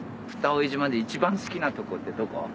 蓋井島で一番好きなとこってどこ？